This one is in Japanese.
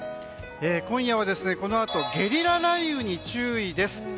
今夜はこのあとゲリラ雷雨に注意です。